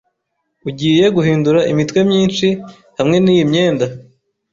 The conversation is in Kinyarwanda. Ugiye guhindura imitwe myinshi hamwe niyi myenda.